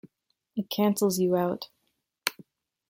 It cancels you out.